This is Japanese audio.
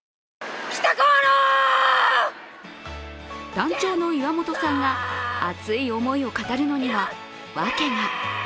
団長の岩元さんが熱い思いを語るのにはワケが。